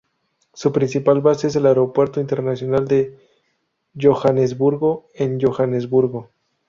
Su principal base es el Aeropuerto Internacional de Johannesburgo, en Johannesburgo.